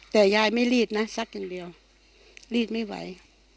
แต่ยายไม่รีดนะซัดอย่างเดียวรีดไม่ไหว